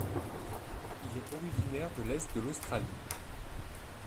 Il est originaire de l'est de l'Australie.